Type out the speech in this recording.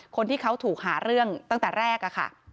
คนที่เขาถูกหาเรื่องตั้งแต่แรกค่ะ